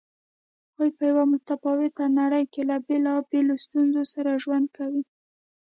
هغوی په یوه متفاوته نړۍ کې له بېلابېلو ستونزو سره ژوند کوي.